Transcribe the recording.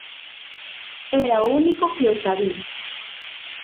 Era o único que o sabía.